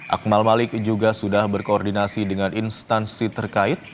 akmal malik juga sudah berkoordinasi dengan instansi terkait